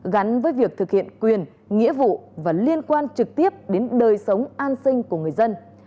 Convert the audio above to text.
gắn với việc thực hiện quyền nghĩa vụ và liên quan trực tiếp đến đời sống an sinh của người dân